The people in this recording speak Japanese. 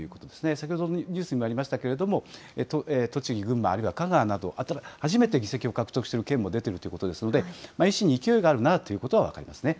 先ほどのニュースにもありましたけれども、栃木、群馬、あるいは香川など、初めて議席を獲得した県も出てるということですので、維新に勢いがあるなぁということは分かりますね。